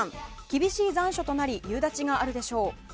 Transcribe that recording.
厳しい残暑となり夕立があるでしょう。